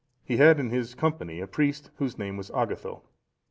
He had in his company a priest, whose name was Agatho.